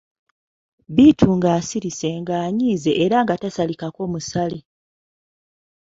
Bittu nga asirise, ng'anyiize, era nga tasalikako musale.